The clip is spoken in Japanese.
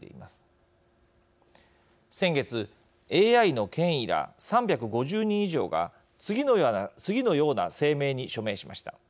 先月ＡＩの権威ら３５０人以上が次のような声明に署名しました。